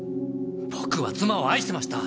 僕は妻を愛してました！